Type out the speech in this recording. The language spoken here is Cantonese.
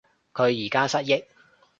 佢而家失憶